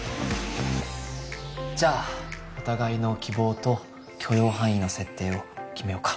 じゃあお互いの希望と許容範囲の設定を決めようか。